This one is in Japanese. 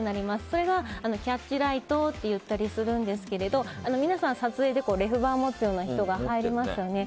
それがキャッチライトといったりするんですけど皆さん撮影でレフ板を持つような人が入りますよね。